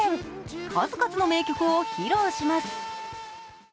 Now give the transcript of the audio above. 数々の名曲を披露します。